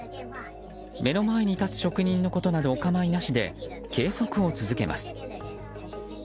目の前に立つ職人のことなどお構いなしで計測を続けます。